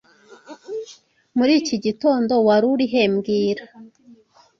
Muri iki gitondo, wari he mbwira